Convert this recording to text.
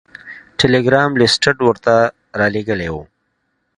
ټیلګرام لیسټرډ ورته رالیږلی و.